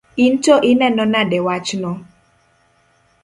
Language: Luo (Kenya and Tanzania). In to ineno nade wachno?